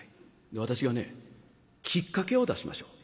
で私がねきっかけを出しましょう。